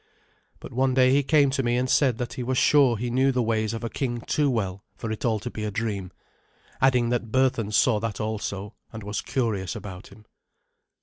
But one day he came to me and said that he was sure he knew the ways of a king too well for it all to be a dream, adding that Berthun saw that also, and was curious about him.